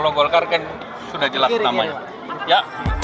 kalau golkar kan sudah jelas namanya